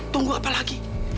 tunggu apa lagi